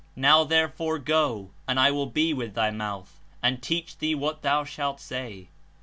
^ Now therefore go, and I will be with thy mouth, and teach thee what thou shalt say."